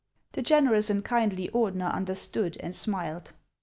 The generous and kindly Ordener understood, and smiled.